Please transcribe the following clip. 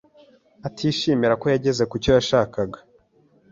atishimira ko yageze ku cyo yashakaga.